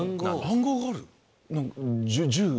暗号がある？